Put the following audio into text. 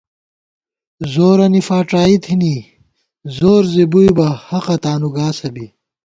زورَنی فاڄائی تھنی زور زی بُوئی بہ حقہ تانُوگاسہ بی